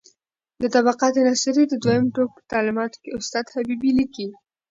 د طبقات ناصري د دویم ټوک په تعلیقاتو کې استاد حبیبي لیکي: